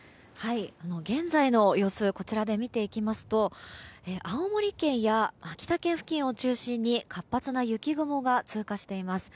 現在の様子をこちらで見ていきますと青森県や秋田県付近を中心に活発な雪雲が通過しています。